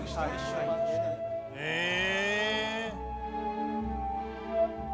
へえ。